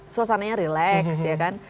suasana nya relax ya kan